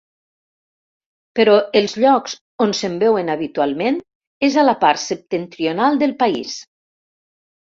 Però els llocs on se'n veuen habitualment és a la part septentrional del país.